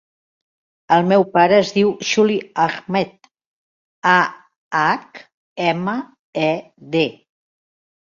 El meu pare es diu Juli Ahmed: a, hac, ema, e, de.